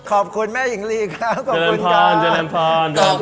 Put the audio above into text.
ขอบคุณแม่หญิงลีค่ะขอบคุณค่ะ